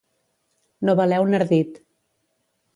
No valer un ardit.